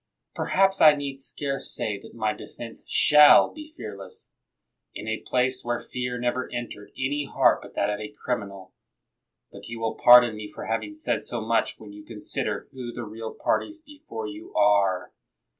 Perhaps I need scarce say that my defense shall be fearless, in a place where fear never entered any heart but that of a criminal. But you will pardon me for having said so much when you consider who the real parties before you are.